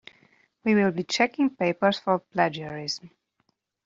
We will be checking papers for plagiarism.